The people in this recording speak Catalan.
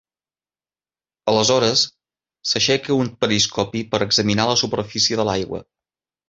Aleshores, s'aixeca un periscopi per examinar la superfície de l'aigua.